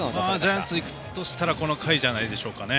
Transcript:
ジャイアンツいくとしたらこの回じゃないですかね。